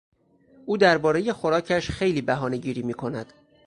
او دربارهی خوراکش خیلی بهانه گیری میکند.